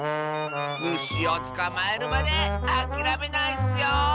むしをつかまえるまであきらめないッスよ！